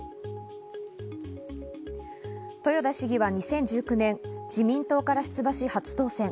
豊田市議は２０１９年、自民党から出馬し、初当選。